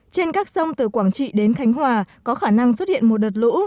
trên các sông từ quảng trị đến khánh hòa có khả năng xuất hiện một đợt lũ